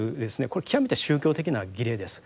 これは極めて宗教的な儀礼です。